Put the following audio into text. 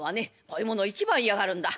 こういうものを一番嫌がるんだ。